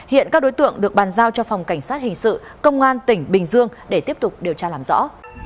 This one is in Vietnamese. hiện các đối tượng được bàn giao cho phòng cảnh sát hình sự công an tỉnh bình dương để tiếp tục điều tra làm rõ